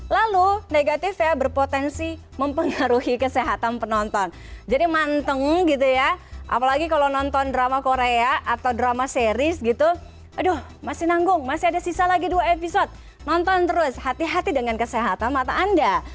lalu negatif ya berpotensi mempengaruhi kesehatan penonton jadi manteng gitu ya apalagi kalau nonton drama korea atau drama series gitu aduh masih nanggung masih ada sisa lagi dua episode nonton terus hati hati dengan kesehatan mata anda